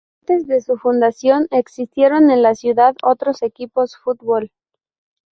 Antes de su fundación, existieron en la ciudad otros equipos fútbol.